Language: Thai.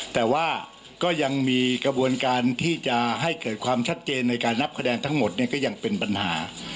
แต่ว่าก็ยังมีกระบวนการที่จะให้เกิดความชัดเจนในการนับคะแนนทั้งหมดเนี่ยก็ยังเป็นปัญหา